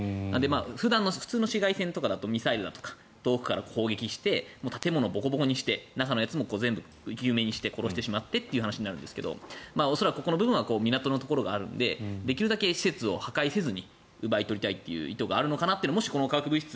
普通の市街戦だと、ミサイルとか遠くから攻撃して建物をボコボコにして中の人も生き埋めにして殺してしまってとなるんですが恐らくここの部分は港の部分があるのでできるだけ施設を破壊せずに奪い取りたいという意図があるのかなともしこの化学物質